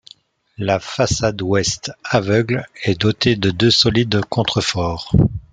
La façade ouest, aveugle, est dotée de deux solides contreforts.